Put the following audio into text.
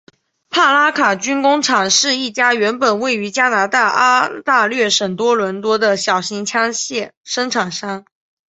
帕拉军工厂是一家原本位于加拿大安大略省多伦多的小型枪械生产商。